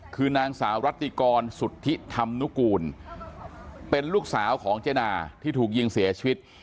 คือนางสาวรัติกรสุทธิธรรมนุกูลเป็นลูกสาวของเจนาที่ถูกยิงเสียชีวิต